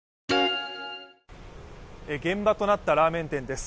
現場となったラーメン店です。